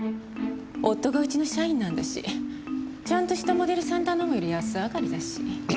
夫がうちの社員なんだしちゃんとしたモデルさん頼むより安上がりだし。